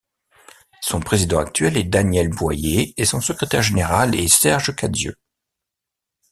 Son président actuel est Daniel Boyer et son secrétaire général est Serge Cadieux.